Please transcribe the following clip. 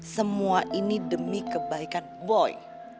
semua ini demi kebaikan boy